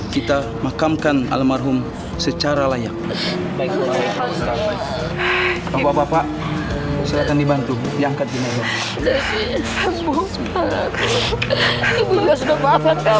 kita makamkan almarhum secara layak bapak silakan dibantu diangkat